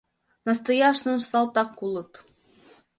Настояшнын салтак улыт.